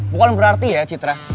bukan berarti ya citra